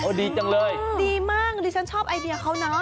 ดีจังเลยดีมากดิฉันชอบไอเดียเขาเนอะ